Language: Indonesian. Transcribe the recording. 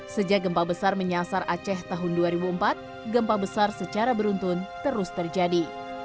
sejak gempa besar menyasar aceh tahun dua ribu empat gempa besar secara beruntun terus terjadi